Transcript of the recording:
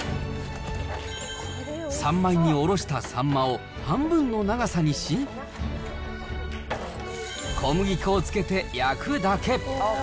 三枚におろしたサンマを半分の長さにし、小麦粉をつけて焼くだけ。